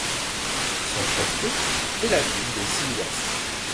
Son chef-lieu est la ville de Sihuas.